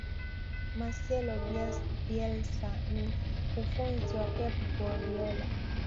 marcelo bielsa ni mkufunzi wa pep guardiola